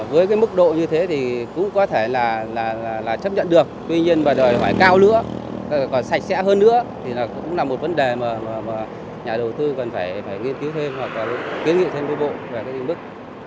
với mức độ như thế thì cũng có thể là chấp nhận được tuy nhiên và đời phải cao nữa còn sạch sẽ hơn nữa thì cũng là một vấn đề mà nhà đầu tư cần phải nghiên cứu thêm và kiến nghiệm thêm bộ bộ về cái định mức